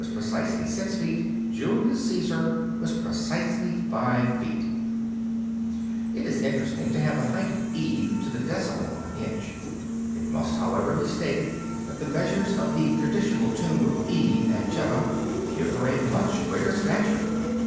6 Julius Caesar 5 lOS >>>> Curiosities of Olden Times It is interesting to have the height of Eve to the decimal of an inch. It must, however, be stated that the measures of the traditional tomb of Eve at Jedda give her a much greater stature.